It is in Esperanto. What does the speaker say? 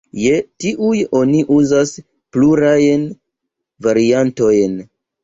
Je tiuj oni uzas plurajn variantojn.